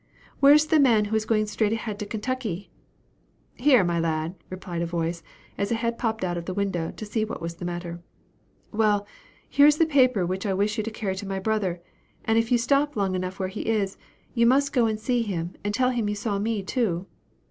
"Where is the man who is going straight ahead to Kentucky?" "Here, my lad," replied a voice, as a head popped out of the window, to see what was the matter. "Well, here is a paper which I wish you to carry to my brother; and if you stop long enough where he is, you must go and see him, and tell him you saw me too."